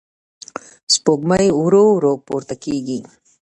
سپوږمۍ ورو ورو پورته کېږي.